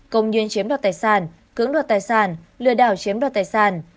công nhân chiếm đoạt tài sản cưỡng đoạt tài sản lừa đảo chiếm đoạt tài sản